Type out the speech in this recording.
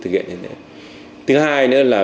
thực hiện như thế này thứ hai nữa là